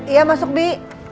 iya masuk bi